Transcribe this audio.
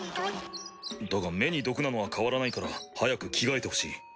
だが目に毒なのは変わらないから早く着替えてほしい。